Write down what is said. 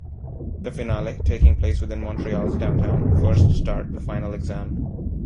The finale, taking place within Montreal's downtown, first start the final exam.